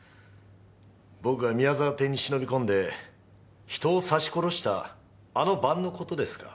僕が宮澤邸に忍び込んで人を刺し殺したあの晩の事ですか？